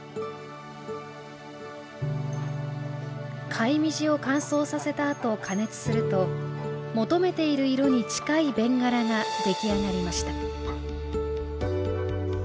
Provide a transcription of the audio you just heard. カイミジを乾燥させたあと加熱すると求めている色に近い弁柄が出来上がりました